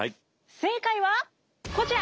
正解はこちら。